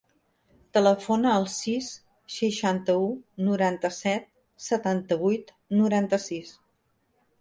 Telefona al sis, seixanta-u, noranta-set, setanta-vuit, noranta-sis.